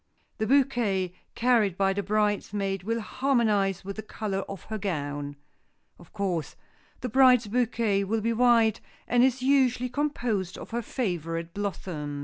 The bouquet carried by the bridesmaid will harmonize with the color of her gown. Of course, the bride's bouquet will be white, and is usually composed of her favorite blossoms.